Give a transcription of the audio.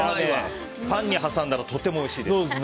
パンに挟んだらとてもおいしいです。